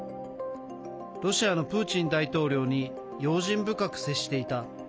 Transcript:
ロシアのプーチン大統領に用心深く接していた。